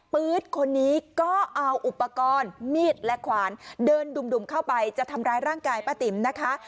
ื๊ดคนนี้ก็เอาอุปกรณ์มีดและขวานเดินดุ่มเข้าไปจะทำร้ายร่างกายป้าติ๋มนะคะ